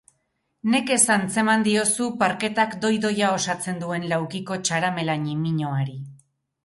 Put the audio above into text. Nekez antzeman diozu parketak doi-doia osatzen duen laukiko txaramela ñimiñoari.